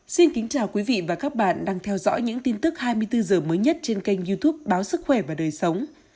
xin kính chào quý vị và các bạn đang theo dõi những tin tức hai mươi bốn h mới nhất trên kênh youtube báo sức khỏe và đời sống